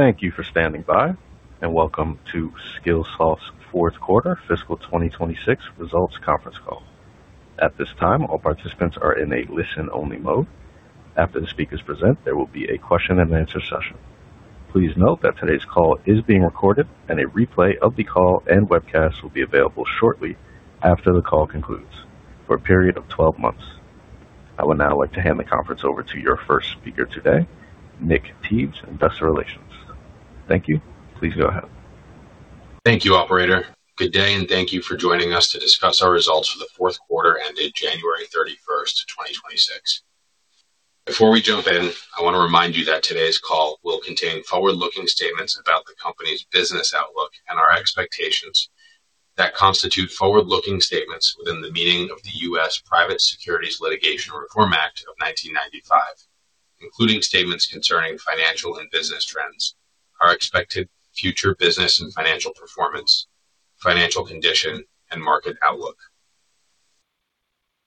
Thank you for standing by, and welcome to Skillsoft's Q4 FY2026 Results Conference Call. At this time, all participants are in a listen-only mode. After the speakers present, there will be a question and answer session. Please note that today's call is being recorded, and a replay of the call and webcast will be available shortly after the call concludes for a period of 12 months. I would now like to hand the conference over to your first speaker today, Stephen Poe, Investor Relations. Thank you. Please go ahead. Thank you, operator. Good day, and thank you for joining us to discuss our results for the Q4 ended January 31, 2026. Before we jump in, I want to remind you that today's call will contain forward-looking statements about the company's business outlook and our expectations that constitute forward-looking statements within the meaning of the U.S. Private Securities Litigation Reform Act of 1995, including statements concerning financial and business trends, our expected future business and financial performance, financial condition, and market outlook.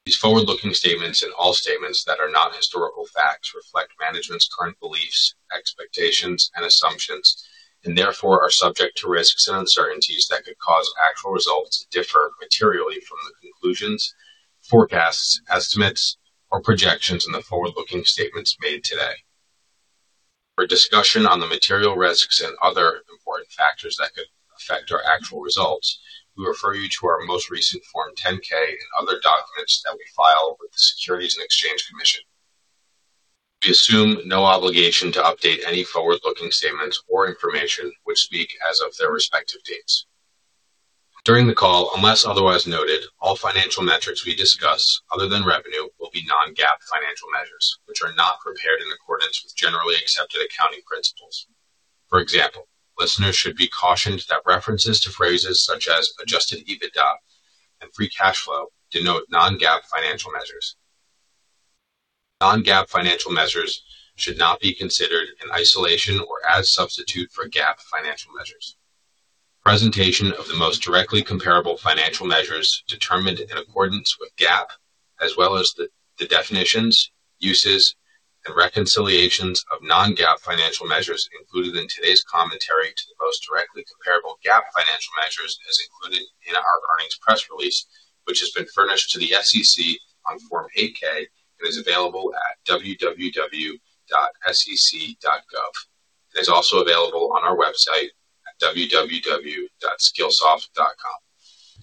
These forward-looking statements and all statements that are not historical facts reflect management's current beliefs, expectations, and assumptions, and therefore are subject to risks and uncertainties that could cause actual results to differ materially from the conclusions, forecasts, estimates, or projections in the forward-looking statements made today. For discussion on the material risks and other important factors that could affect our actual results, we refer you to our most recent Form 10-K and other documents that we file with the Securities and Exchange Commission. We assume no obligation to update any forward-looking statements or information which speak as of their respective dates. During the call, unless otherwise noted, all financial metrics we discuss, other than revenue, will be non-GAAP financial measures, which are not prepared in accordance with generally accepted accounting principles. For example, listeners should be cautioned that references to phrases such as Adjusted EBITDA and free cash flow denote non-GAAP financial measures. Non-GAAP financial measures should not be considered in isolation or as substitute for GAAP financial measures. Presentation of the most directly comparable financial measures determined in accordance with GAAP as well as the definitions, uses, and reconciliations of non-GAAP financial measures included in today's commentary to the most directly comparable GAAP financial measures are included in our earnings press release, which has been furnished to the SEC on Form 8-K and is available at www.sec.gov. It is also available on our website at www.skillsoft.com.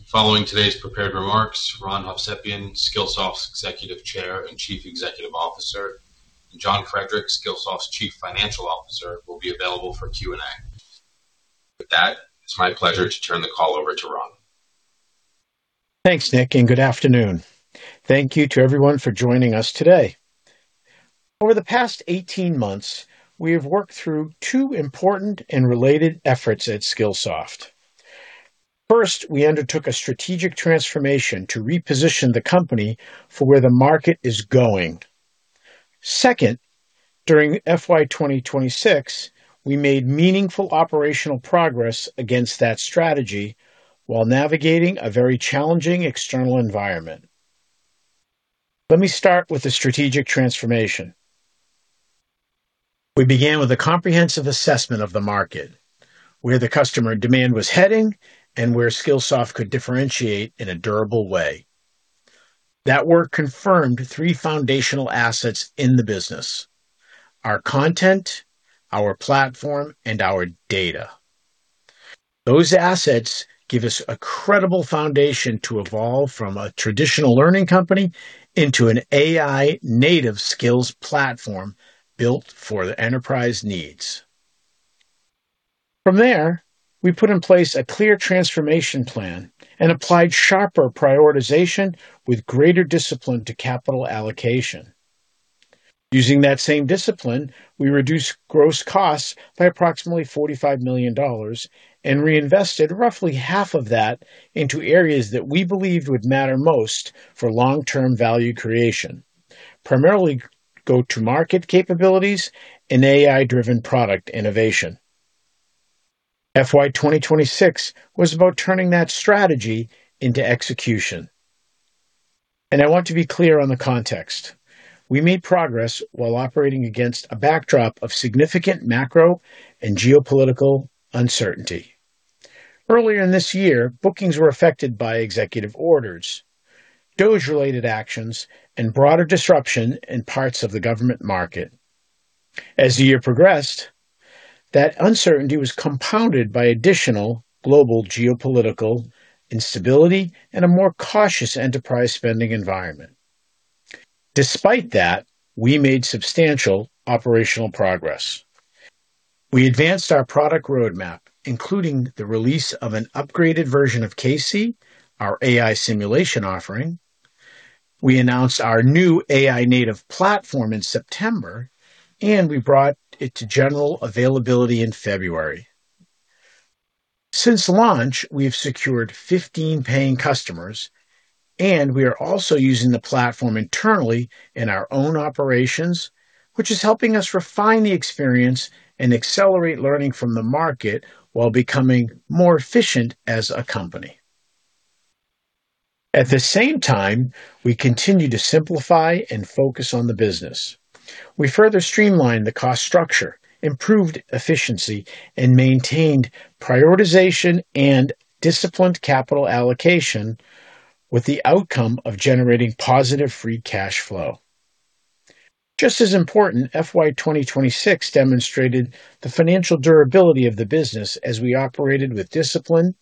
Following today's prepared remarks, Ron Hovsepian, Skillsoft's Executive Chair and Chief Executive Officer, and John Frederick, Skillsoft's Chief Financial Officer, will be available for Q&A. With that, it's my pleasure to turn the call over to Ron. Thanks, Stephen, and good afternoon. Thank you to everyone for joining us today. Over the past 18 months, we have worked through two important and related efforts at Skillsoft. First, we undertook a strategic transformation to reposition the company for where the market is going. Second, during FY 2026, we made meaningful operational progress against that strategy while navigating a very challenging external environment. Let me start with the strategic transformation. We began with a comprehensive assessment of the market, where the customer demand was heading, and where Skillsoft could differentiate in a durable way. That work confirmed three foundational assets in the business: our content, our platform, and our data. Those assets give us a credible foundation to evolve from a traditional learning company into an AI-native skills platform built for the enterprise needs. From there, we put in place a clear transformation plan and applied sharper prioritization with greater discipline to capital allocation. Using that same discipline, we reduced gross costs by approximately $45 million and reinvested roughly half of that into areas that we believed would matter most for long-term value creation, primarily go-to-market capabilities and AI-driven product innovation. FY2026 was about turning that strategy into execution. I want to be clear on the context. We made progress while operating against a backdrop of significant macro and geopolitical uncertainty. Earlier in this year, bookings were affected by executive orders, those related actions, and broader disruption in parts of the government market. As the year progressed, that uncertainty was compounded by additional global geopolitical instability and a more cautious enterprise spending environment. Despite that, we made substantial operational progress. We advanced our product roadmap, including the release of an upgraded version of CAISY, our AI simulation offering. We announced our new AI-native platform in September, and we brought it to general availability in February. Since launch, we've secured 15 paying customers, and we are also using the platform internally in our own operations, which is helping us refine the experience and accelerate learning from the market while becoming more efficient as a company. At the same time, we continue to simplify and focus on the business. We further streamlined the cost structure, improved efficiency, and maintained prioritization and disciplined capital allocation with the outcome of generating positive free cash flow. Just as important, FY2026 demonstrated the financial durability of the business as we operated with discipline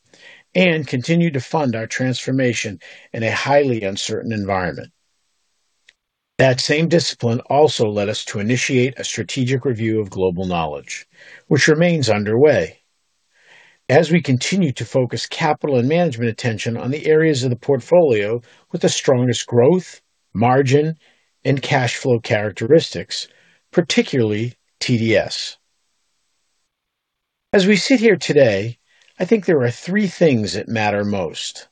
and continued to fund our transformation in a highly uncertain environment. That same discipline also led us to initiate a strategic review of Global Knowledge, which remains underway. As we continue to focus capital and management attention on the areas of the portfolio with the strongest growth, margin, and cash flow characteristics, particularly TDS. As we sit here today, I think there are three things that matter most.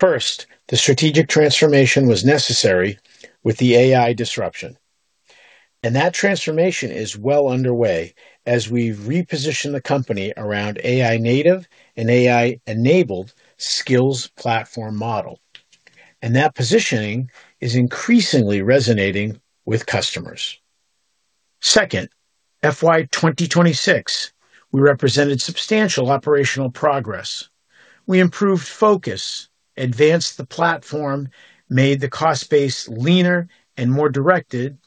First, the strategic transformation was necessary with the AI disruption. That transformation is well underway as we reposition the company around AI-native and AI-enabled skills platform model. That positioning is increasingly resonating with customers. Second, FY2026, we represented substantial operational progress. We improved focus, advanced the platform, made the cost base leaner and more directed,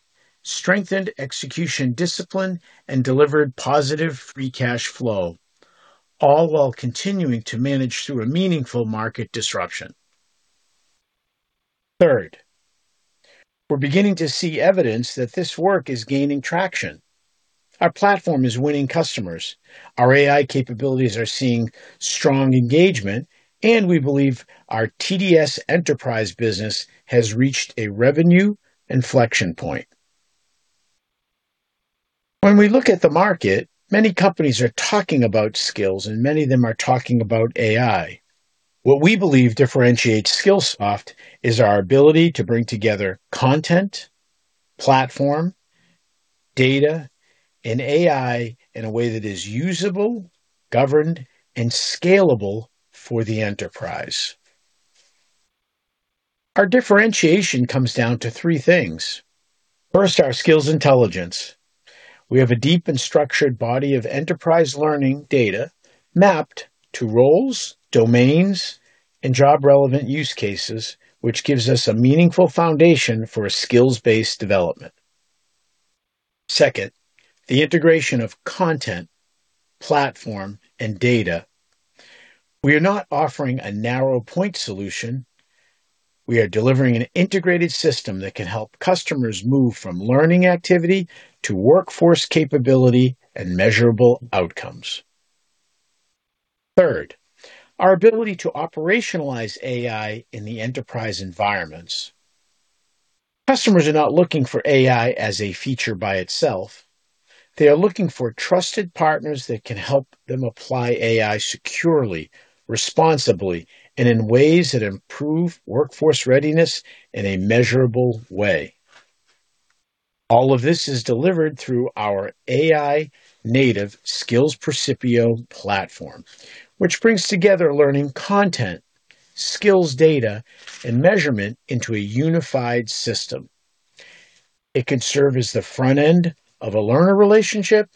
strengthened execution discipline, and delivered positive free cash flow, all while continuing to manage through a meaningful market disruption. Third, we're beginning to see evidence that this work is gaining traction. Our platform is winning customers. Our AI capabilities are seeing strong engagement, and we believe our TDS enterprise business has reached a revenue inflection point. When we look at the market, many companies are talking about skills, and many of them are talking about AI. What we believe differentiates Skillsoft is our ability to bring together content, platform, data, and AI in a way that is usable, governed, and scalable for the enterprise. Our differentiation comes down to three things. First, our skills intelligence. We have a deep and structured body of enterprise learning data mapped to roles, domains, and job-relevant use cases, which gives us a meaningful foundation for skills-based development. Second, the integration of content, platform, and data. We are not offering a narrow point solution. We are delivering an integrated system that can help customers move from learning activity to workforce capability and measurable outcomes. Third, our ability to operationalize AI in the enterprise environments. Customers are not looking for AI as a feature by itself. They are looking for trusted partners that can help them apply AI securely, responsibly, and in ways that improve workforce readiness in a measurable way. All of this is delivered through our AI-native Skillsoft Percipio platform, which brings together learning content, skills data, and measurement into a unified system. It could serve as the front end of a learner relationship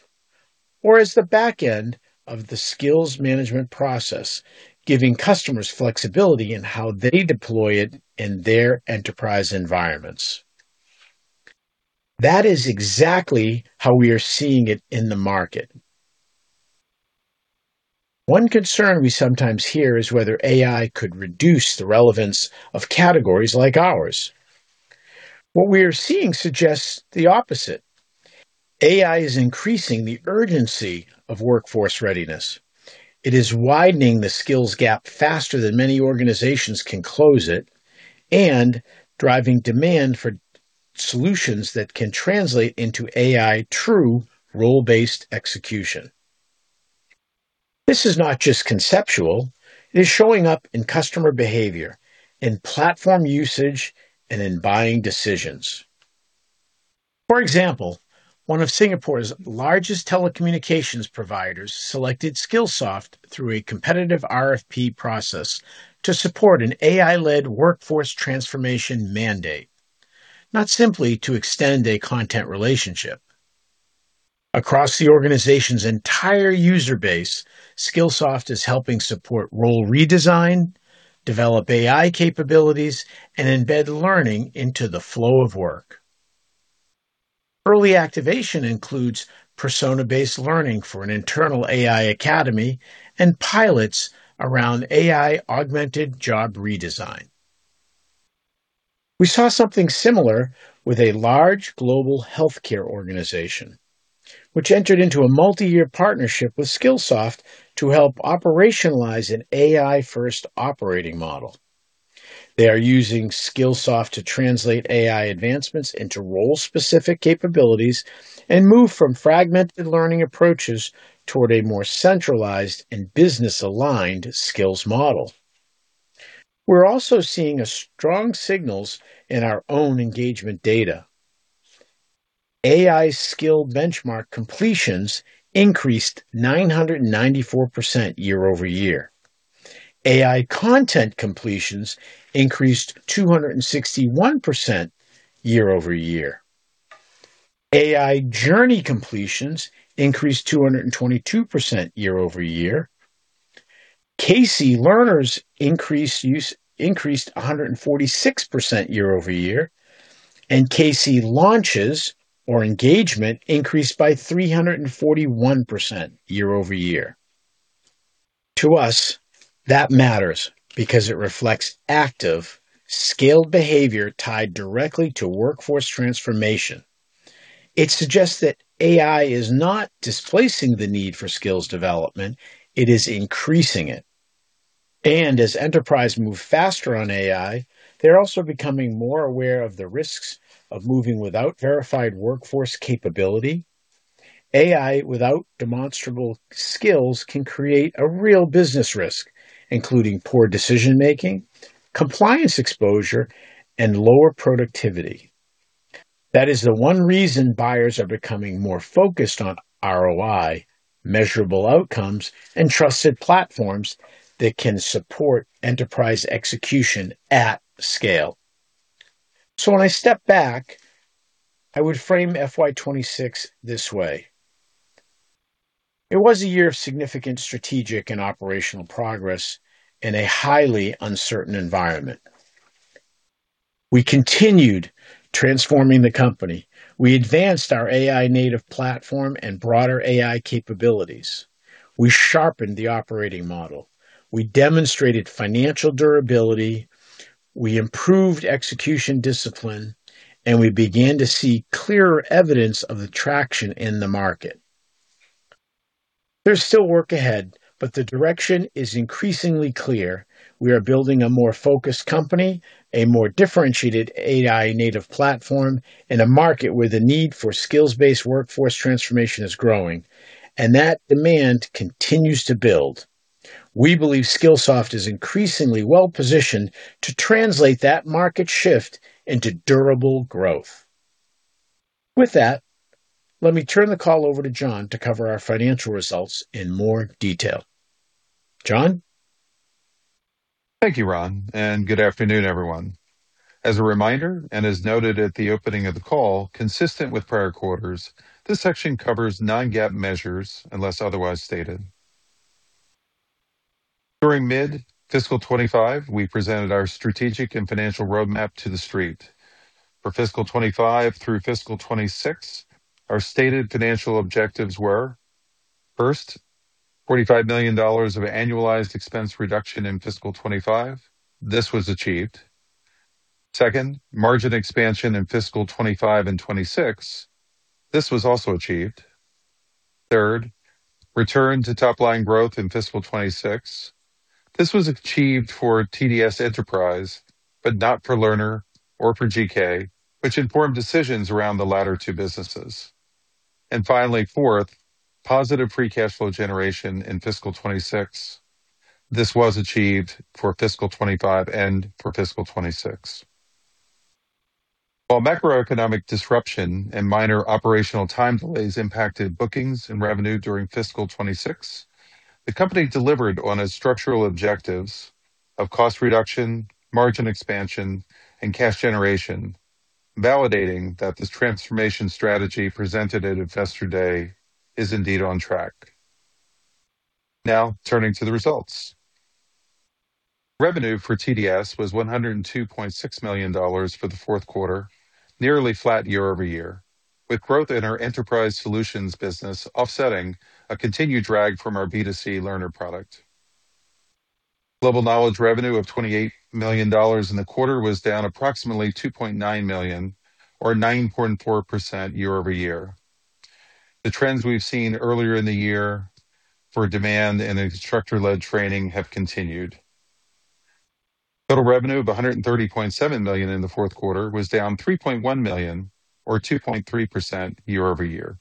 or as the back end of the skills management process, giving customers flexibility in how they deploy it in their enterprise environments. That is exactly how we are seeing it in the market. One concern we sometimes hear is whether AI could reduce the relevance of categories like ours. What we are seeing suggests the opposite. AI is increasing the urgency of workforce readiness.It is widening the skills gap faster than many organizations can close it and driving demand for solutions that can translate into AI true role-based execution. This is not just conceptual. It is showing up in customer behavior, in platform usage, and in buying decisions. For example, one of Singapore's largest telecommunications providers selected Skillsoft through a competitive RFP process to support an AI-led workforce transformation mandate, not simply to extend a content relationship. Across the organization's entire user base, Skillsoft is helping support role redesign, develop AI capabilities, and embed learning into the flow of work. Early activation includes persona-based learning for an internal AI academy and pilots around AI-augmented job redesign. We saw something similar with a large global healthcare organization, which entered into a multi-year partnership with Skillsoft to help operationalize an AI-first operating model. They are using Skillsoft to translate AI advancements into role-specific capabilities and move from fragmented learning approaches toward a more centralized and business-aligned skills model. We're also seeing strong signals in our own engagement data. AI skill benchmark completions increased 994% year-over-year. AI content completions increased 261% year-over-year. AI journey completions increased 222% year-over-year. CAISY learners increased 146% year-over-year. CAISY launches or engagement increased by 341% year-over-year. To us, that matters because it reflects active, scaled behavior tied directly to workforce transformation. It suggests that AI is not displacing the need for skills development, it is increasing it. As enterprises move faster on AI, they're also becoming more aware of the risks of moving without verified workforce capability. AI without demonstrable skills can create a real business risk, including poor decision-making, compliance exposure, and lower productivity. That is the one reason buyers are becoming more focused on ROI, measurable outcomes, and trusted platforms that can support enterprise execution at scale. When I step back, I would frame FY2026 this way. It was a year of significant strategic and operational progress in a highly uncertain environment. We continued transforming the company. We advanced our AI-native platform and broader AI capabilities. We sharpened the operating model. We demonstrated financial durability, we improved execution discipline, and we began to see clearer evidence of the traction in the market. There's still work ahead, but the direction is increasingly clear. We are building a more focused company, a more differentiated AI-native platform, in a market where the need for skills-based workforce transformation is growing, and that demand continues to build. We believe Skillsoft is increasingly well-positioned to translate that market shift into durable growth. With that, let me turn the call over to John to cover our financial results in more detail. John? Thank you, Ron, and good afternoon, everyone. As a reminder, and as noted at the opening of the call, consistent with prior quarters, this section covers non-GAAP measures unless otherwise stated. During mid-FY2025, we presented our strategic and financial roadmap to the street. For FY2025 through FY2026, our stated financial objectives were, first, $45 million of annualized expense reduction in FY2025. This was achieved. Second, margin expansion in FY2025 and FY2026. This was also achieved. Third, return to top-line growth in FY2026. This was achieved for TDS Enterprise, but not for Learner or for GK, which informed decisions around the latter two businesses. Finally, fourth, positive free cash flow generation in FY2026. This was achieved for FY2025 and for FY2026.While macroeconomic disruption and minor operational time delays impacted bookings and revenue during FY2026, the company delivered on its structural objectives of cost reduction, margin expansion, and cash generation, validating that this transformation strategy presented at Investor Day is indeed on track. Now turning to the results. Revenue for TDS was $102.6 million for Q4, nearly flat year-over-year, with growth in our enterprise solutions business offsetting a continued drag from our B2C learner product. Global Knowledge revenue of $28 million in the quarter was down approximately $2.9 million or 9.4% year-over-year. The trends we've seen earlier in the year for demand and instructor-led training have continued. Total revenue of $130.7 million in Q4 was down $3.1 million or 2.3% year-over-year.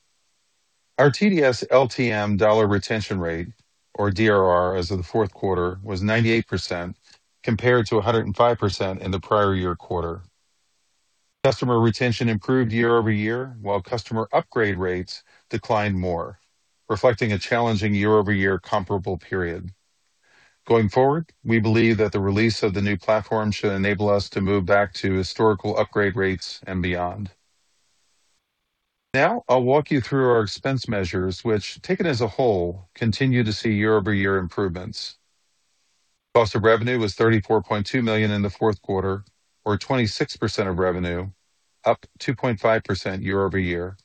Our TDS LTM dollar retention rate, or DRR, as of Q4, was 98% compared to 105% in the prior year quarter. Customer retention improved year-over-year, while customer upgrade rates declined more, reflecting a challenging year-over-year comparable period. Going forward, we believe that the release of the new platform should enable us to move back to historical upgrade rates and beyond. Now, I'll walk you through our expense measures, which taken as a whole, continue to see year-over-year improvements. Cost of revenue was $34.2 million in the Q4 or 26% of revenue, up 2.5% year-over-year,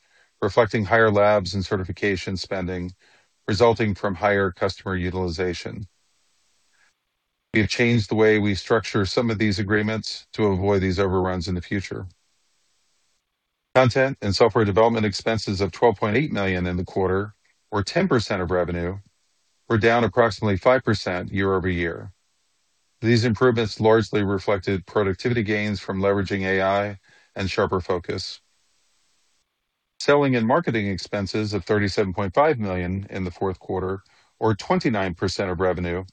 reflecting higher labs and certification spending resulting from higher customer utilization. We have changed the way we structure some of these agreements to avoid these overruns in the future. Content and software development expenses of $12.8 million in the quarter, or 10% of revenue, were down approximately 5% year-over-year. These improvements largely reflected productivity gains from leveraging AI and sharper focus. Selling and marketing expenses of $37.5 million in the Q4, or 29% of revenue,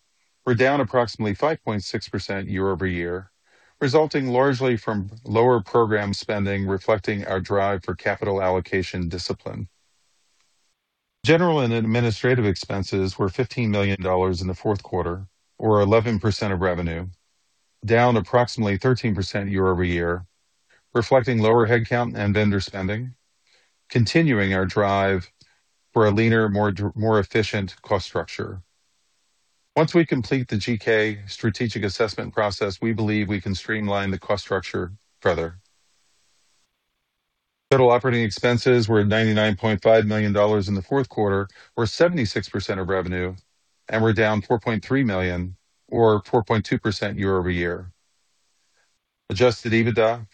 were down approximately 5.6% year-over-year, resulting largely from lower program spending reflecting our drive for capital allocation discipline. General and administrative expenses were $15 million in Q4, or 11% of revenue, down approximately 13% year-over-year, reflecting lower headcount and vendor spending, continuing our drive for a leaner, more efficient cost structure. Once we complete the GK strategic assessment process, we believe we can streamline the cost structure further. Total operating expenses were at $99.5 million in Q4, or 76% of revenue, and were down $4.3 million or 4.2% year-over-year. Adjusted EBITDA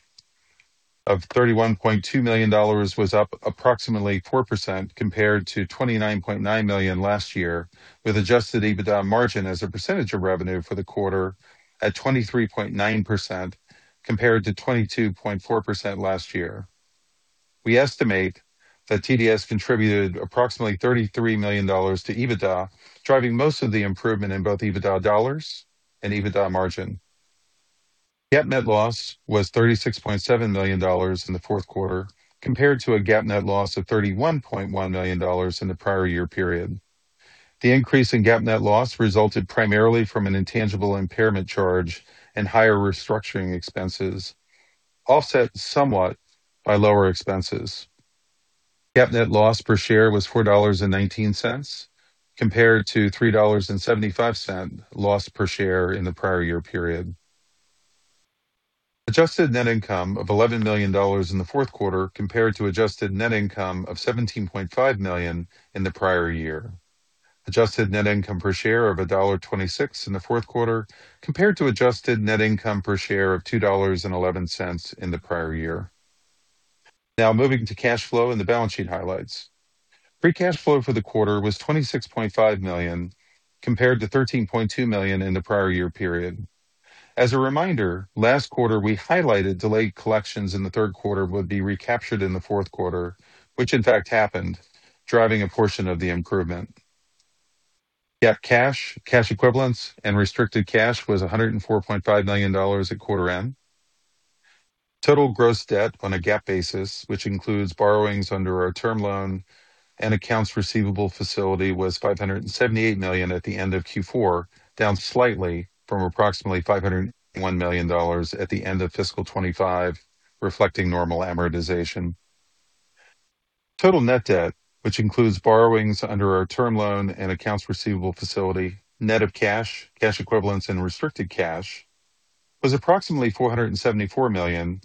of $31.2 million was up approximately 4% compared to $29.9 million last year, with adjusted EBITDA margin as a percentage of revenue for the quarter at 23.9% compared to 22.4% last year. We estimate that TDS contributed approximately $33 million to EBITDA, driving most of the improvement in both EBITDA dollars and EBITDA margin. GAAP net loss was $36.7 million in the Q4, compared to a GAAP net loss of $31.1 million in the prior year period. The increase in GAAP net loss resulted primarily from an intangible impairment charge and higher restructuring expenses, offset somewhat by lower expenses. GAAP net loss per share was $4.19, compared to $3.75 loss per share in the prior year period. Adjusted net income of $11 million in the Q4 compared to adjusted net income of $17.5 million in the prior year. Adjusted net income per share of $1.26 in the Q4 compared to adjusted net income per share of $2.11 in the prior year. Now moving to cash flow and the balance sheet highlights. Free cash flow for the quarter was $26.5 million, compared to $13.2 million in the prior year period. As a reminder, last quarter we highlighted delayed collections in Q3 would be recaptured in the Q4, which in fact happened, driving a portion of the improvement. GAAP cash equivalents, and restricted cash was $104.5 million at quarter end. Total gross debt on a GAAP basis, which includes borrowings under our term loan and accounts receivable facility, was $578 million at the end of Q4, down slightly from approximately $501 million at the end of FY2025, reflecting normal amortization. Total net debt, which includes borrowings under our term loan and accounts receivable facility, net of cash equivalents, and restricted cash, was approximately $474 million,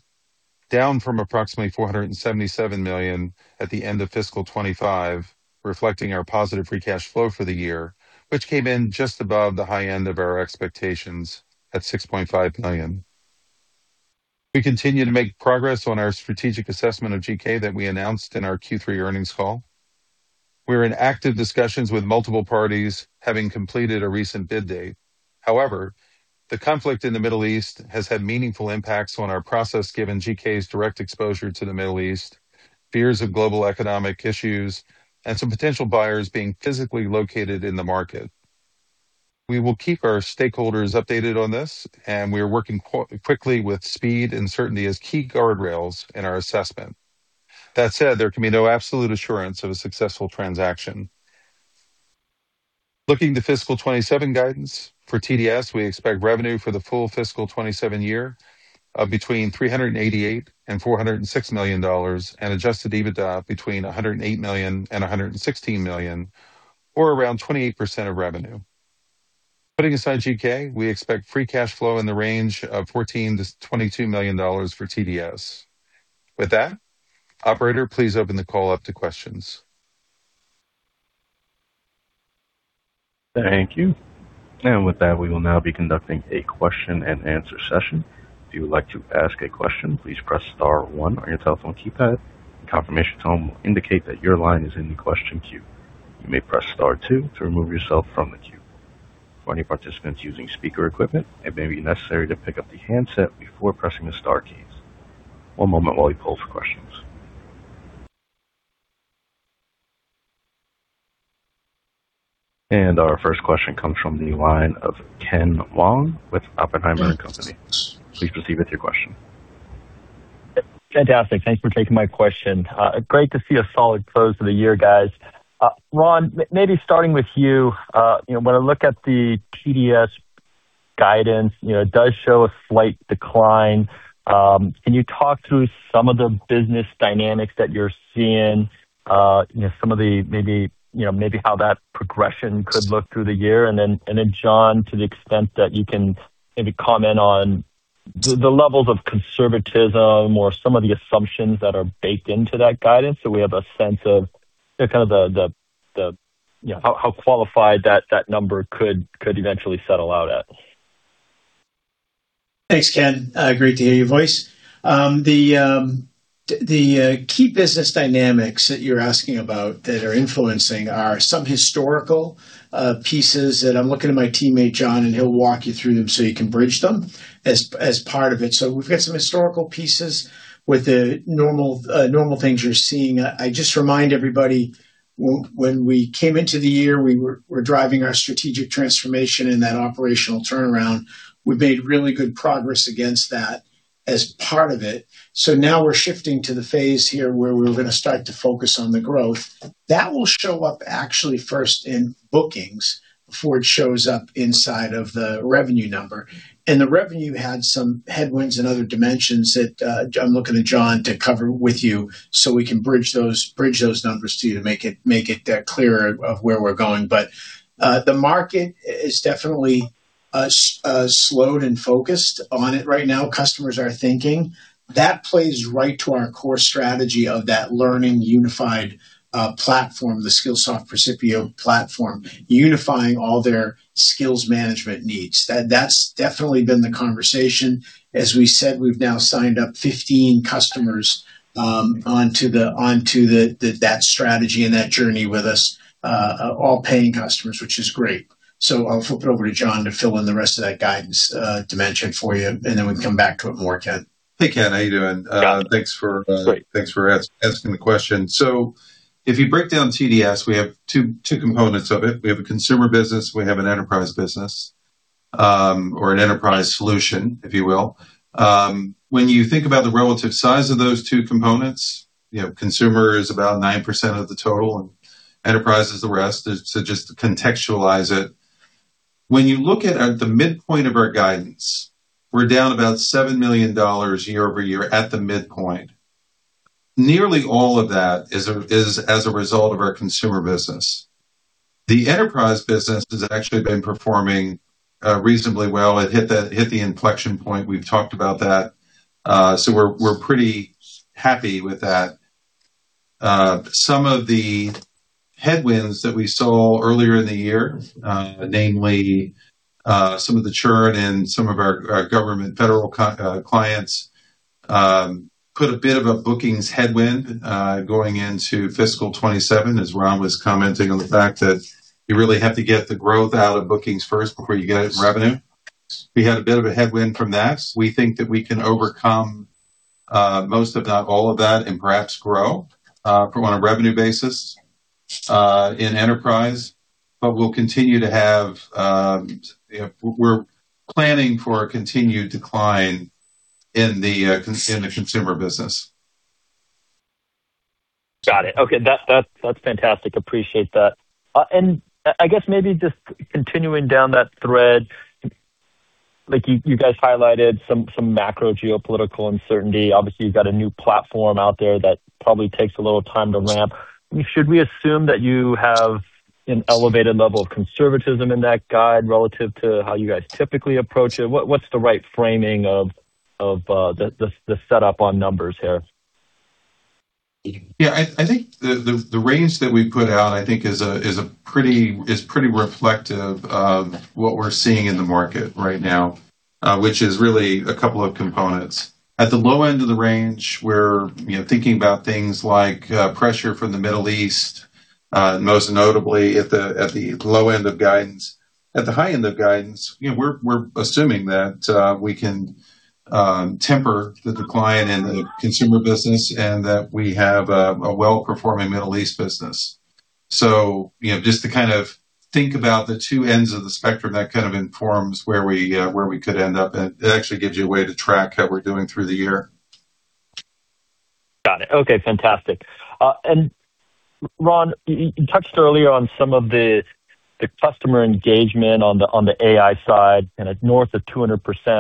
down from approximately $477 million at the end of FY2025, reflecting our positive free cash flow for the year, which came in just above the high end of our expectations at $6.5 million. We continue to make progress on our strategic assessment of GK that we announced in our Q3 earnings call. We're in active discussions with multiple parties having completed a recent bid date. However, the conflict in the Middle East has had meaningful impacts on our process given GK's direct exposure to the Middle East, fears of global economic issues, and some potential buyers being physically located in the market. We will keep our stakeholders updated on this, and we are working quickly with speed and certainty as key guardrails in our assessment. That said, there can be no absolute assurance of a successful transaction. Looking to FY2027 guidance for TDS, we expect revenue for the full FY2027 of between $388 million to $406 million and Adjusted EBITDA between $108 million to $116 million, or around 28% of revenue. Putting aside GK, we expect free cash flow in the range of $14 million to $22 million for TDS. With that, operator, please open the call up to questions. Thank you. With that, we will now be conducting a question and answer session. If you would like to ask a question, please press star one on your telephone keypad. A confirmation tone will indicate that your line is in the question queue. You may press star two to remove yourself from the queue. For any participants using speaker equipment, it may be necessary to pick up the handset before pressing the star keys. One moment while we poll for questions. Our first question comes from the line of Ken Wong with Oppenheimer & Co. Inc. Please proceed with your question. Fantastic. Thanks for taking my question. Great to see a solid close to the year, guys. Ron, maybe starting with you. When I look at the TDS guidance, it does show a slight decline. Can you talk through some of the business dynamics that you're seeing, maybe how that progression could look through the year? John, to the extent that you can maybe comment on the levels of conservatism or some of the assumptions that are baked into that guidance so we have a sense of how qualified that number could eventually settle out at. Thanks, Ken. Great to hear your voice. The key business dynamics that you're asking about that are influencing are some historical pieces that I'm looking at my teammate, John, and he'll walk you through them so you can bridge them as part of it. We've got some historical pieces with the normal things you're seeing. I just remind everybody, when we came into the year, we were driving our strategic transformation and that operational turnaround. We made really good progress against that. As part of it. Now we're shifting to the phase here where we're going to start to focus on growth. That will show up actually first in bookings before it shows up inside of the revenue number. The revenue had some headwinds in other dimensions that I'm looking to John to cover with you so we can bridge those numbers to you to make it clearer where we're going. The market is definitely slowed and focused on it right now. Customers are thinking. That plays right to our core strategy of that learning unified platform, the Skillsoft Percipio platform, unifying all their skills management needs. That's definitely been the conversation. As we said, we've now signed up 15 customers onto that strategy and that journey with us, all paying customers, which is great. I'll flip it over to John to fill in the rest of that guidance dimension for you, and then we can come back to it more, Ken. Hey, Ken. How you doing? Thanks for asking the question. If you break down TDS, we have two components of it. We have a consumer business. We have an enterprise business, or an enterprise solution, if you will. When you think about the relative size of those two components, consumer is about 9% of the total, and enterprise is the rest, so just to contextualize it. When you look at the midpoint of our guidance, we're down about $7 million year-over-year at the midpoint. Nearly all of that is as a result of our consumer business. The enterprise business has actually been performing reasonably well. It hit the inflection point. We've talked about that. We're pretty happy with that. Some of the headwinds that we saw earlier in the year, namely some of the churn in some of our government federal clients, put a bit of a bookings headwind going into FY2027, as Ron was commenting on the fact that you really have to get the growth out of bookings first before you get it in revenue. We had a bit of a headwind from that. We think that we can overcome most, if not all of that, and perhaps grow from there on a revenue basis, in enterprise. We're planning for a continued decline in the consumer business. Got it. Okay. That's fantastic. Appreciate that. I guess maybe just continuing down that thread, like you guys highlighted some macro geopolitical uncertainty. Obviously, you've got a new platform out there that probably takes a little time to ramp. Should we assume that you have an elevated level of conservatism in that guide relative to how you guys typically approach it? What's the right framing of the setup on numbers here? Yeah. I think the range that we put out, I think is pretty reflective of what we're seeing in the market right now, which is really a couple of components. At the low end of the range, we're thinking about things like pressure from the Middle East, most notably at the low end of guidance. At the high end of guidance, we're assuming that we can temper the decline in the consumer business and that we have a well-performing Middle East business. So, just to kind of think about the two ends of the spectrum, that kind of informs where we could end up, and it actually gives you a way to track how we're doing through the year. Got it. Okay, fantastic. Ron, you touched earlier on some of the customer engagement on the AI side, and it's north of 200%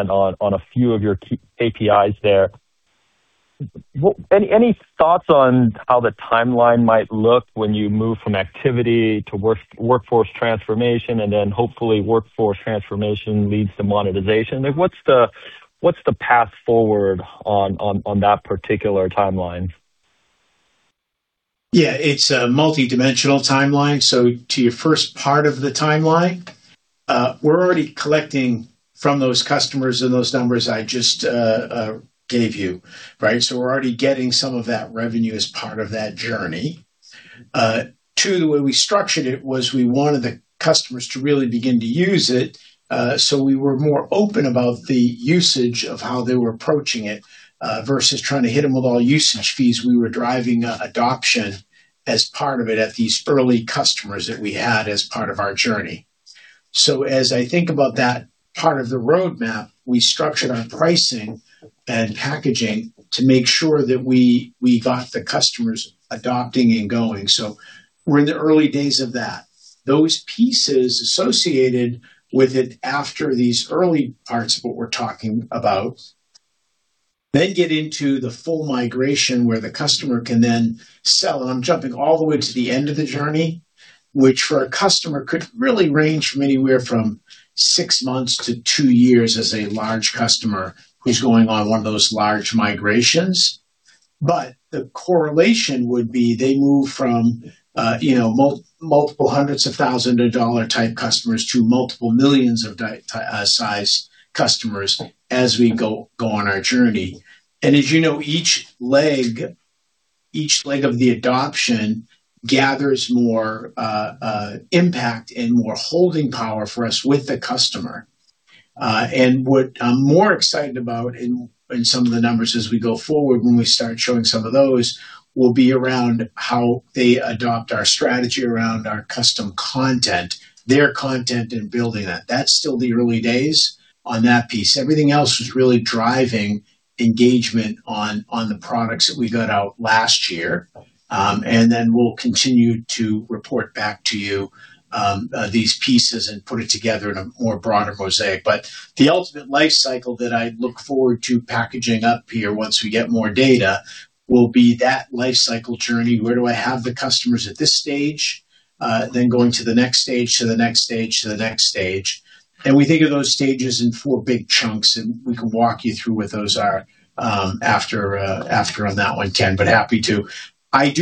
on a few of your key KPIs there. Any thoughts on how the timeline might look when you move from activity to workforce transformation, and then hopefully workforce transformation leads to monetization? What's the path forward on that particular timeline? Yeah. It's a multidimensional timeline. To your first part of the timeline, we're already collecting from those customers and those numbers I just gave you, right? We're already getting some of that revenue as part of that journey. Two, the way we structured it was we wanted the customers to really begin to use it, so we were more open about the usage of how they were approaching it, versus trying to hit them with all usage fees. We were driving adoption as part of it at these early customers that we had as part of our journey. As I think about that part of the roadmap, we structured our pricing and packaging to make sure that we got the customers adopting and going. We're in the early days of that. Those pieces associated with it after these early parts of what we're talking about then get into the full migration, where the customer can then sell. I'm jumping all the way to the end of the journey, which for a customer could really range from anywhere from six months to two years as a large customer who's going on one of those large migrations. The correlation would be they move from multiple hundreds of thousands of dollars type customers to multiple millions of size customers as we go on our journey. As you know, each leg of the adoption gathers more impact and more holding power for us with the customer. What I'm more excited about in some of the numbers as we go forward, when we start showing some of those, will be around how they adopt our strategy around our custom content, their content, and building that. That's still the early days on that piece. Everything else was really driving engagement on the products that we got out last year, and then we'll continue to report back to you these pieces and put it together in a broader mosaic. The ultimate life cycle that I look forward to packaging up here once we get more data, will be that life cycle journey. Where do I have the customers at this stage? Then going to the next stage, to the next stage, to the next stage. We think of those stages in four big chunks, and we can walk you through what those are after on that one, Ken, but happy to. I'm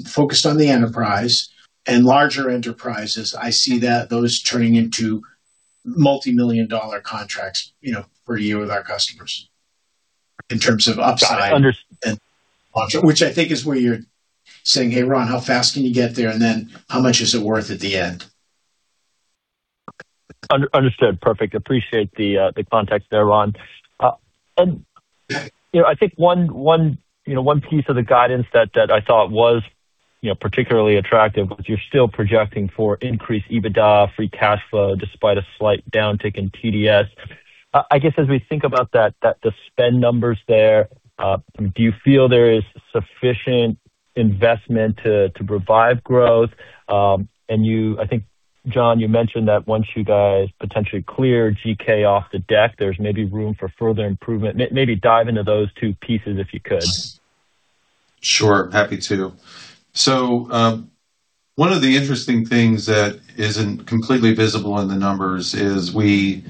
focused on the enterprise and larger enterprises. I see those turning into multimillion-dollar contracts per year with our customers in terms of upside. Which I think is where you're saying, "Hey, Ron, how fast can you get there? And then how much is it worth at the end? Understood. Perfect. Appreciate the context there, Ron. I think one piece of the guidance that I thought was particularly attractive, because you're still projecting for increased EBITDA free cash flow despite a slight downtick in TDS. I guess, as we think about the spend numbers there, do you feel there is sufficient investment to revive growth? I think, John, you mentioned that once you guys potentially clear GK off the deck, there's maybe room for further improvement. Maybe dive into those two pieces, if you could. Sure, happy to. One of the interesting things that isn't completely visible in the numbers is we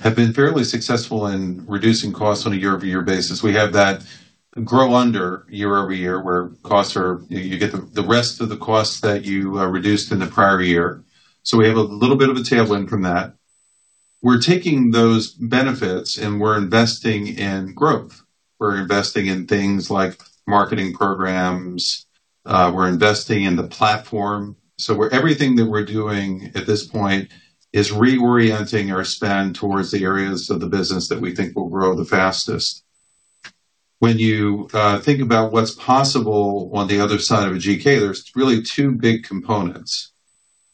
have been fairly successful in reducing costs on a year-over-year basis. We have that growing year-over-year, where you get the rest of the costs that you reduced in the prior year. We have a little bit of a tailwind from that. We're taking those benefits, and we're investing in growth. We're investing in things like marketing programs. We're investing in the platform. Everything that we're doing at this point is reorienting our spend towards the areas of the business that we think will grow the fastest. When you think about what's possible on the other side of a GK, there's really two big components.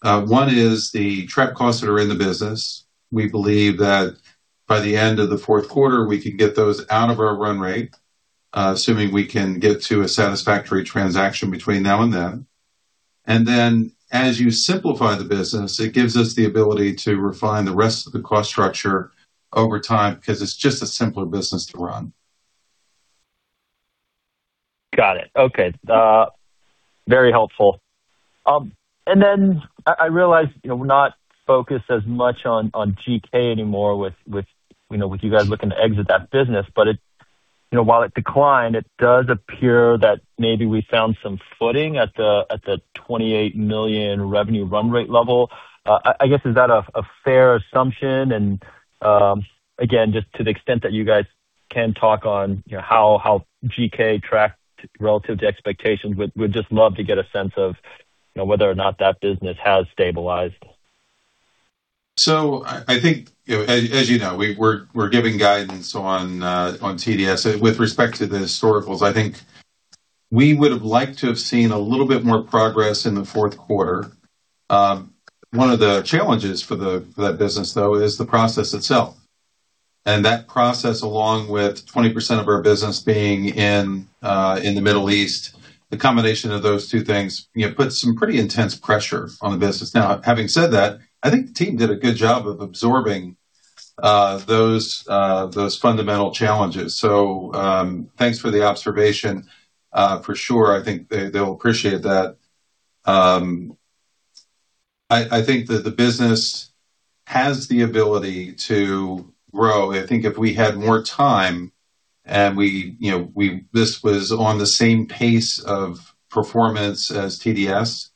One is the trapped costs that are in the business. We believe that by the end of the Q4, we can get those out of our run rate, assuming we can get to a satisfactory transaction between now and then. As you simplify the business, it gives us the ability to refine the rest of the cost structure over time, because it's just a simpler business to run. Got it. Okay. Very helpful. I realize we're not focused as much on GK anymore with you guys looking to exit that business. While it declined, it does appear that maybe we found some footing at the $28 million revenue run rate level. I guess, is that a fair assumption? Again, just to the extent that you guys can talk on how GK tracked relative to expectations, we'd just love to get a sense of whether or not that business has stabilized. I think, as you know, we're giving guidance on TDS. With respect to the historicals, I think we would have liked to have seen a little bit more progress in the Q4. One of the challenges for that business, though, is the process itself. That process, along with 20% of our business being in the Middle East, the combination of those two things put some pretty intense pressure on the business. Now, having said that, I think the team did a good job of absorbing those fundamental challenges. Thanks for the observation. For sure, I think they'll appreciate that. I think that the business has the ability to grow. I think if we had more time, and this was on the same pace of performance as TDS,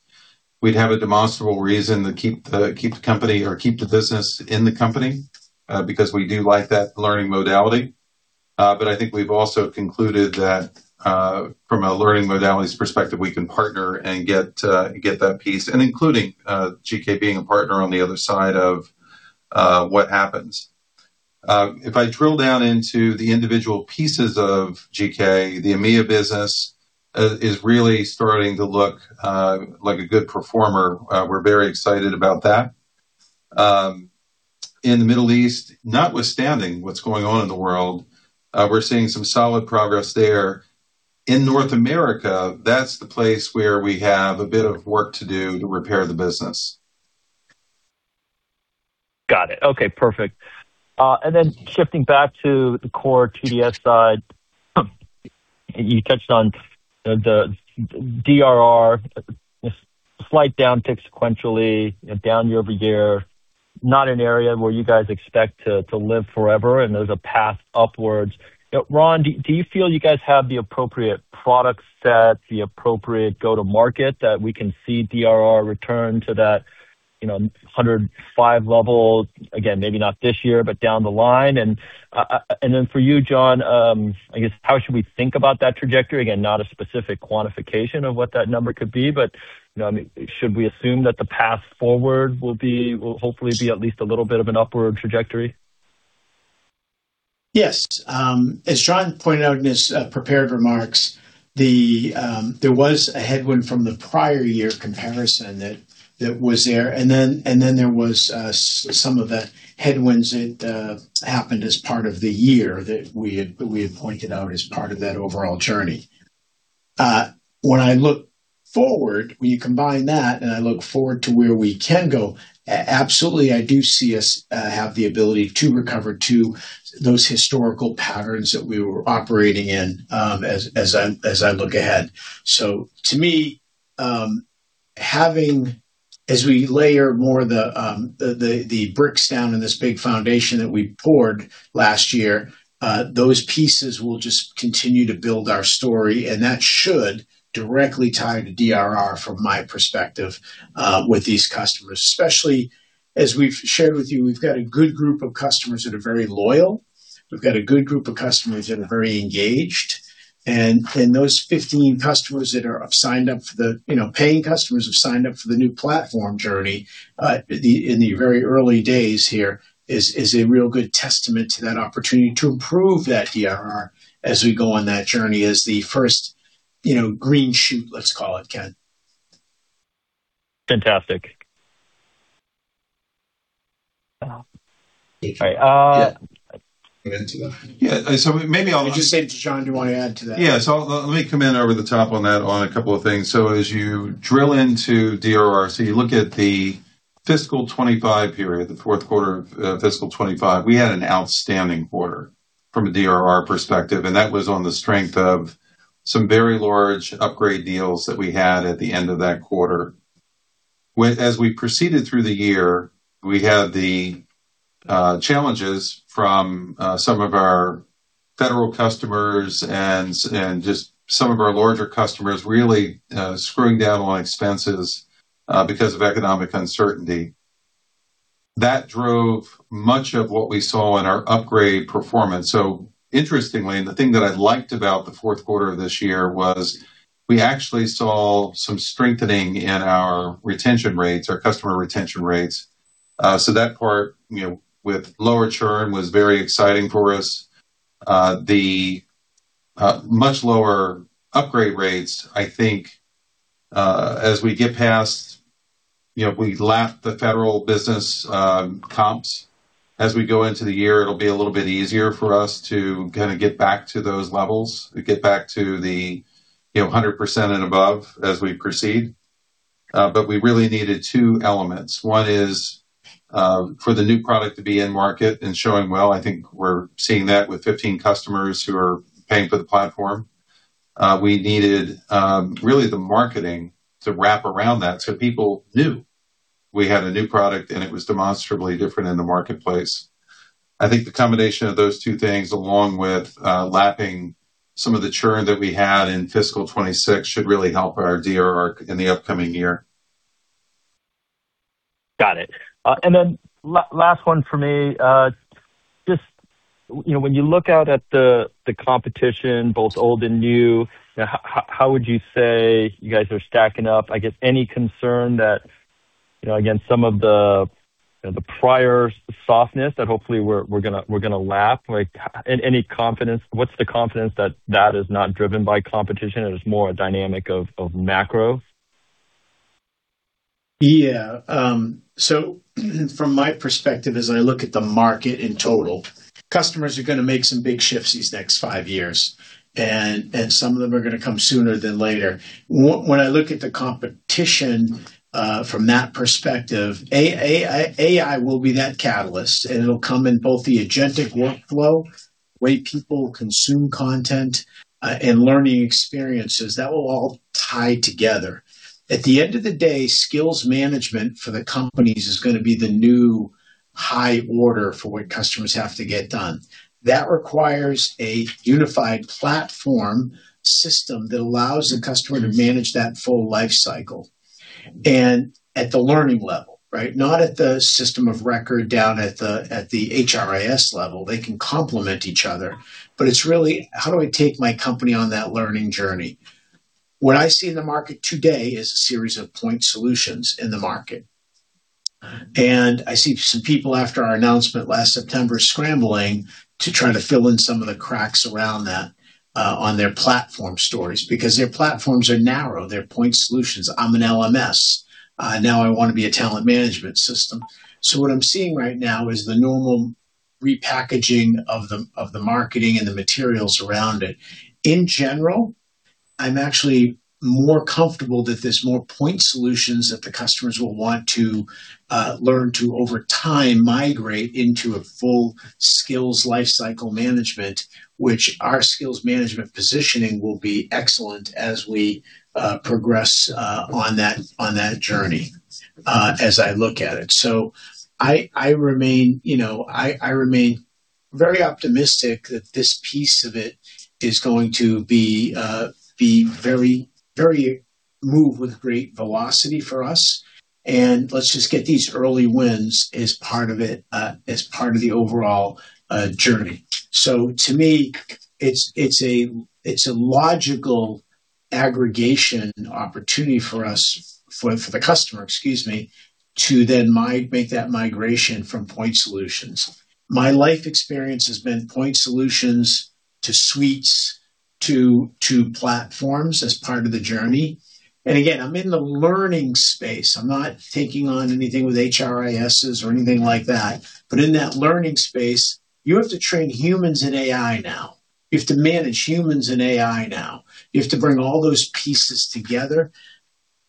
we'd have a demonstrable reason to keep the company or keep the business in the company, because we do like that learning modality. I think we've also concluded that from a learning modalities perspective, we can partner and get that piece, and including GK being a partner on the other side of what happens. If I drill down into the individual pieces of GK, the EMEIA business is really starting to look like a good performer. We're very excited about that. In the Middle East, notwithstanding what's going on in the world, we're seeing some solid progress there. In North America, that's the place where we have a bit of work to do to repair the business. Got it. Okay, perfect. Shifting back to the core TDS side, you touched on the DRR slight downtick sequentially, down year-over-year, not an area where you guys expect to live forever, and there's a path upwards. Ron, do you feel you guys have the appropriate product set, the appropriate go-to-market that we can see DRR return to that 105 level? Again, maybe not this year, but down the line. For you, John, I guess how should we think about that trajectory? Again, not a specific quantification of what that number could be, but should we assume that the path forward will hopefully be at least a little bit of an upward trajectory? Yes. As John pointed out in his prepared remarks, there was a headwind from the prior year comparison that was there. There was some of the headwinds that happened as part of the year that we had pointed out as part of that overall journey. When I look forward, we combine that and I look forward to where we can go. Absolutely, I do see us have the ability to recover to those historical patterns that we were operating in as I look ahead. To me, as we layer more of the bricks down in this big foundation that we poured last year, those pieces will just continue to build our story, and that should directly tie to DRR, from my perspective, with these customers. Especially as we've shared with you, we've got a good group of customers that are very loyal. We've got a good group of customers that are very engaged. Those 15 customers, paying customers, who have signed up for the new platform journey, in the very early days here is a real good testament to that opportunity to improve that DRR as we go on that journey as the first green shoot, let's call it, Ken. Fantastic. All right. Yeah. Go into it. Yeah. I'll just say to John, do you want to add to that? Yeah. Let me come in over the top on that on a couple of things. As you drill into DRR, you look at the FY2025 period, the Q4 of FY2025, we had an outstanding quarter from a DRR perspective, and that was on the strength of some very large upgrade deals that we had at the end of that quarter. As we proceeded through the year, we had the challenges from some of our federal customers and just some of our larger customers really screwing down on expenses because of economic uncertainty. That drove much of what we saw in our upgrade performance. Interestingly, the thing that I liked about the Q4 of this year was we actually saw some strengthening in our retention rates, our customer retention rates. That part with lower churn was very exciting for us. The much lower upgrade rates, I think, as we get past. We lapped the federal business comps. As we go into the year, it'll be a little bit easier for us to get back to those levels, to get back to the 100% and above as we proceed. We really needed two elements. One is for the new product to be in market and showing well. I think we're seeing that with 15 customers who are paying for the platform. We needed really the marketing to wrap around that so people knew we had a new product and it was demonstrably different in the marketplace. I think the combination of those two things, along with lapping some of the churn that we had in FY2026, should really help our DRR in the upcoming year. Got it. Last one from me. Just when you look out at the competition, both old and new, how would you say you guys are stacking up? I guess any concern that, again, some of the prior softness that hopefully we're going to lap, what's the confidence that that is not driven by competition, and it's more a dynamic of macro? Yeah. From my perspective, as I look at the market in total, customers are going to make some big shifts these next five years, and some of them are going to come sooner than later. When I look at the competition from that perspective, AI will be that catalyst, and it'll come in both the agentic workflow, way people consume content, and learning experiences. That will all tie together. At the end of the day, skills management for the companies is going to be the new high order for what customers have to get done. That requires a unified platform system that allows the customer to manage that full life cycle, and at the learning level, right? Not at the system of record down at the HRIS level. They can complement each other, but it's really how do I take my company on that learning journey? What I see in the market today is a series of point solutions in the market. I see some people after our announcement last September scrambling to try to fill in some of the cracks around that on their platform stories because their platforms are narrow. They're point solutions. I'm an LMS. Now I want to be a talent management system. What I'm seeing right now is the normal repackaging of the marketing and the materials around it. In general, I'm actually more comfortable that there's more point solutions that the customers will want to learn to, over time, migrate into a full skills lifecycle management, which our skills management positioning will be excellent as we progress on that journey, as I look at it. I remain very optimistic that this piece of it is going to move with great velocity for us, and let's just get these early wins as part of the overall journey. To me, it's a logical aggregation opportunity for the customer to then make that migration from point solutions. My life experience has been point solutions to suites to platforms as part of the journey. Again, I'm in the learning space. I'm not taking on anything with HRISs or anything like that. In that learning space, you have to train humans and AI now. You have to manage humans and AI now. You have to bring all those pieces together.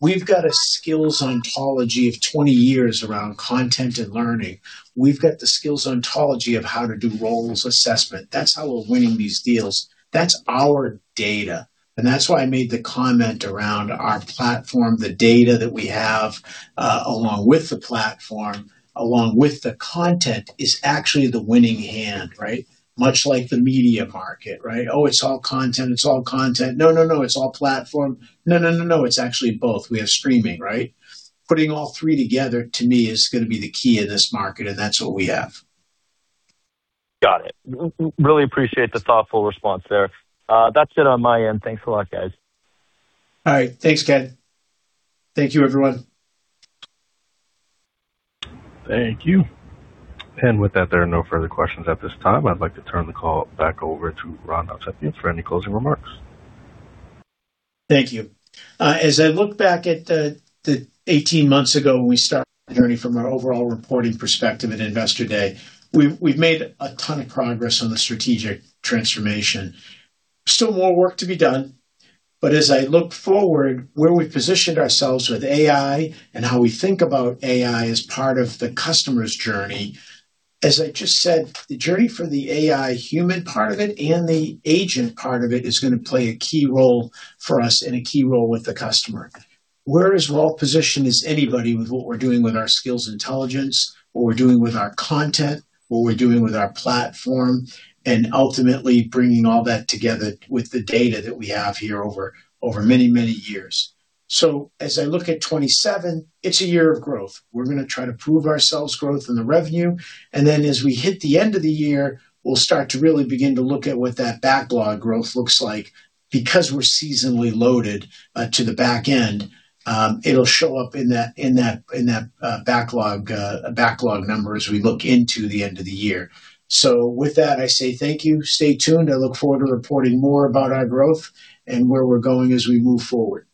We've got a skills ontology of 20 years around content and learning. We've got the skills ontology of how to do roles assessment. That's how we're winning these deals. That's our data. That's why I made the comment around our platform, the data that we have, along with the platform, along with the content, is actually the winning hand, right? Much like the media market, right? Oh, it's all content. No, it's all platform. No, it's actually both. We have streaming, right? Putting all three together, to me, is going to be the key in this market, and that's what we have. Got it. Really appreciate the thoughtful response there. That's it on my end. Thanks a lot, guys. All right. Thanks, Ken. Thank you, everyone. Thank you. With that, there are no further questions at this time. I'd like to turn the call back over to Ron Hovsepian for any closing remarks. Thank you. As I look back at the 18 months ago when we started the journey from our overall reporting perspective at Investor Day, we've made a ton of progress on the strategic transformation. Still more work to be done. As I look forward, where we've positioned ourselves with AI and how we think about AI as part of the customer's journey, as I just said, the journey for the AI human part of it and the agent part of it is going to play a key role for us and a key role with the customer. We're as well-positioned as anybody with what we're doing with our skills intelligence, what we're doing with our content, what we're doing with our platform, and ultimately bringing all that together with the data that we have here over many, many years. As I look at 2027, it's a year of growth. We're going to try to prove ourselves growth in the revenue. As we hit the end of the year, we'll start to really begin to look at what that backlog growth looks like because we're seasonally loaded to the back end. It'll show up in that backlog number as we look into the end of the year. With that, I say thank you. Stay tuned. I look forward to reporting more about our growth and where we're going as we move forward.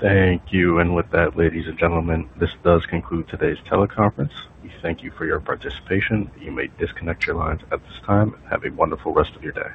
Thank you. With that, ladies and gentlemen, this does conclude today's teleconference. We thank you for your participation. You may disconnect your lines at this time. Have a wonderful rest of your day.